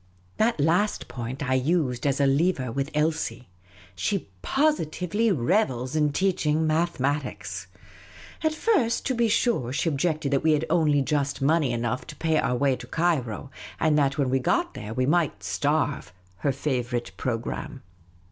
That last point I used as a lever with Elsie. She posi tively revels in teaching mathematics. At first, to be sure, she objected that we had only just money enough to pay our way to Cairo, and that when we got there we might starve — her favourite programme.